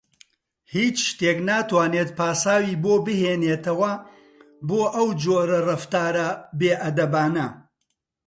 هیچ شتێک ناتوانێت پاساوی بۆ بهێنێتەوە بۆ ئەو جۆرە ڕەفتارە بێئەدەبانە.